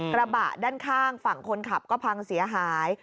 กระบะด้านข้างฝั่งคนขับก็พังเสียหาย